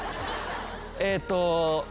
えっと